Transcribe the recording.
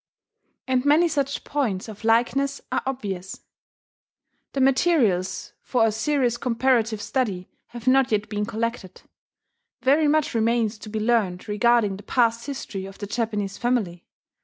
And many such points of likeness are obvious. The materials for a serious comparative study have not yet been collected: very much remains to be learned regarding the past history of the Japanese family.